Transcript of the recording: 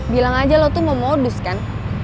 bilang aja lo tuh mau modus kan